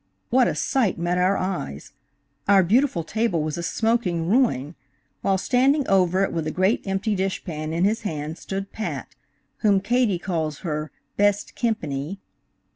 What a sight met our eyes! Our beautiful table was a smoking ruin, while standing over it with a great empty dish pan in his hand stood Pat, whom Katie calls her "best kimpany."